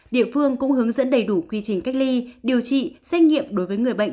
địa phương cũng hướng dẫn đầy đủ quy trình cách ly điều trị xét nghiệm đối với người bệnh